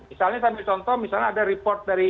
misalnya misalnya ada report dari